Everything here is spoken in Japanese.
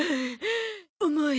重い。